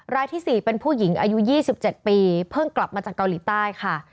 รายที่๔เป็นผู้หญิงอายุ๒๗ปีเพิ่งกลับมาจากเกาหลีใต้ค่ะ